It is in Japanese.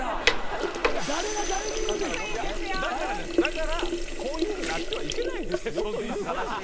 だからこういうふうになってはいけないですよという。